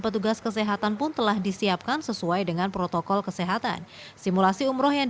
petugas kesehatan pun telah disiapkan sesuai dengan protokol kesehatan simulasi umroh yang